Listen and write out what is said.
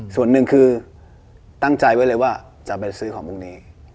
ส่วนหนึ่งคือตั้งใจไว้เลยว่าจะไปซื้อของพรุ่งนี้